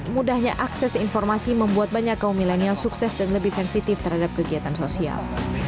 mudahnya akses informasi membuat banyak kaum milenial sukses dan lebih sensitif terhadap kegiatan sosial